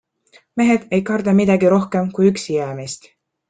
Mehed ei karda midagi rohkem kui üksijäämist.